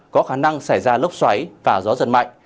có khả năng xảy ra lốc xoáy và gió giật mạnh